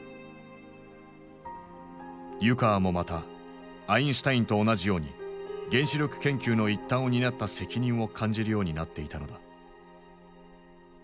湯川もまたアインシュタインと同じように原子力研究の一端を担った責任を感じるようになっていたのだ。